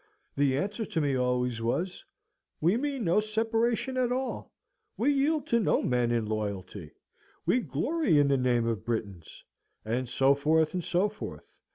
the answer to me always was, "We mean no separation at all; we yield to no men in loyalty; we glory in the name of Britons," and so forth, and so forth.